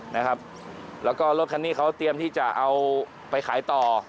แล้วก็รถคันนี้เขาเตรียมที่จะเอาไปขายต่อ